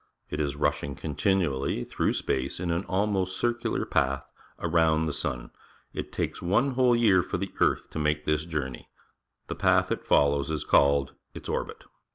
It is rushing ^continually through space in an almost cir cular path around the sun. It takes one whole yeaj for the earth to make this long journe y. The path it fol lows is called its orbit.